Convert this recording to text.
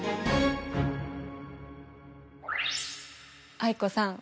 藍子さん